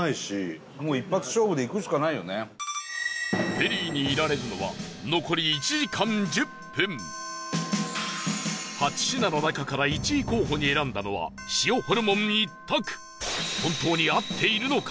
フェリーにいられるのは残り１時間１０分８品の中から１位候補に選んだのは塩ホルモン１択本当に合っているのか？